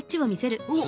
おっ！